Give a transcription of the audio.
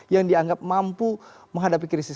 yang dianggap mampu menghadapi krisis